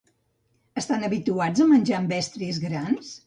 Estan habituats a menjar amb estris grans?